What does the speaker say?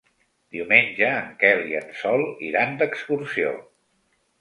Diumenge en Quel i en Sol iran d'excursió.